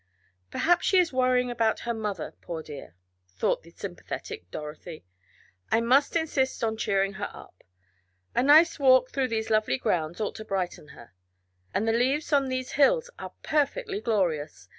"Perhaps she is worrying about her mother, poor dear," thought the sympathetic Dorothy. "I must insist on cheering her up. A nice walk through these lovely grounds ought to brighten her. And the leaves on these hills are perfectly glorious.